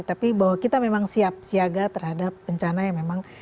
tapi bahwa kita memang siap siaga terhadap bencana yang memang